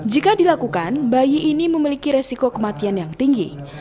jika dilakukan bayi ini memiliki resiko kematian yang tinggi